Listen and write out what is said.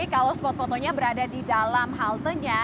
kalau spot fotonya berada di dalam haltenya